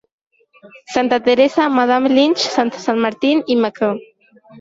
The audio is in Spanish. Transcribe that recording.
Santa Teresa, Madame Lynch, San Martín y Mcal.